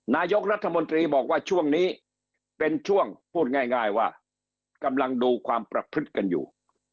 นายกรัฐมนตรีบอกว่าช่วงนี้เป็นช่วงพูดง่ายว่ากำลังดูความประพฤติกันอยู่